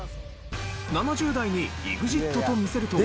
７０代に「ＥＸＩＴ」と見せると。